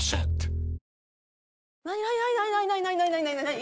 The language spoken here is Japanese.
何？